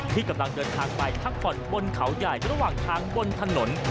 ที่กำลังเดินทางไปพักผ่อนบนเขาใหญ่ระหว่างทางบนถนน